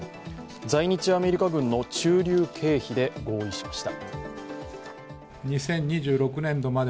在日アメリカ軍の駐留経費で合意しました。